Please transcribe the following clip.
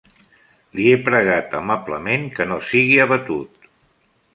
Li he pregat amablement que no sigui abatut.